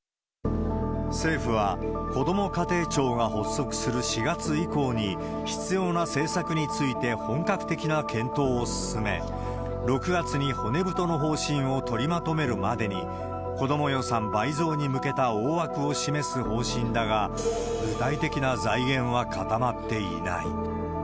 政府は、こども家庭庁が発足する４月以降に、必要な政策について本格的な検討を進め、６月に骨太の方針を取りまとめるまでに、子ども予算倍増に向けた大枠を示す方針だが、具体的な財源は固まっていない。